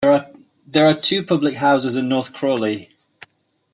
There are two public houses in North Crawley.